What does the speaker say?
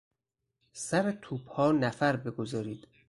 سر توپها نفر بگذارید!